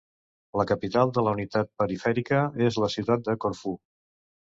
La capital de la unitat perifèrica és la ciutat de Corfú.